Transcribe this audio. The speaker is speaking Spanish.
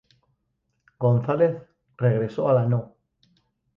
González regresó a la No.